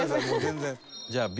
じゃあＢ